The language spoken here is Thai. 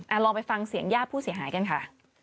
ลองไปฟังเสียงญาติผู้เสียหายกันค่ะ